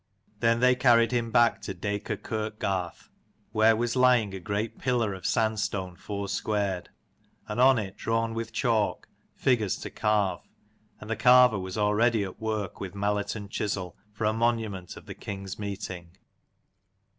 Then they carried him back to Dacor kirkgarth, where was lying a great pillar of sandstone foursquared : and on it, drawn with chalk, figures to carve: and the carver was already at work with mallet and chisel, for a monument of the kings' meeting.